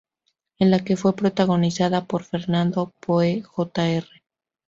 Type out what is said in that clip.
En la que fue protagonizada por Fernando Poe Jr.